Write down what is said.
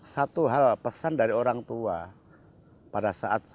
satu hal pesan dari orang tua pada saat saya masih smp mendelang ya sd dari lulus sd